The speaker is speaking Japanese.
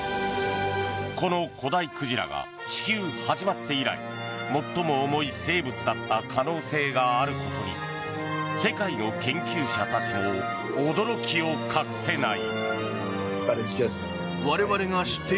この古代鯨が地球始まって以来最も重い生物だった可能性があることに世界の研究者たちも驚きを隠せない。